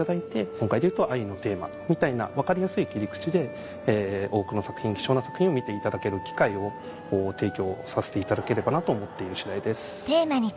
今回でいうと愛のテーマみたいな分かりやすい切り口で多くの作品貴重な作品を見ていただける機会を提供させていただければなと思っている次第です。